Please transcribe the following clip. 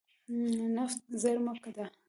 نفت زیرمه ده.